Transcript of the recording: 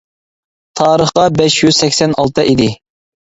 تارىخقا بەش يۈز سەكسەن ئالتە ئىدى.